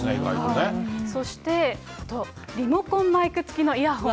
そして、リモコンマイク付きのイヤホン。